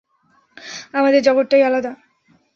আমাদের জগতটাই আলাদা।